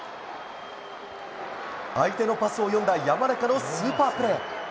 相手のパスを読んだ山中のスーパープレー。